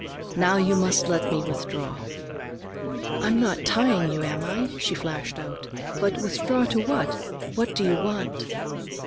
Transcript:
Now you must let me withdraw." "I'm not tying you, am I?" she flashed out. "But withdraw to what? What do you want?"